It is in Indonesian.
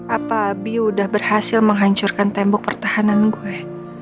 apa abi udah berhasil menghancurkan tembok pertahanan gue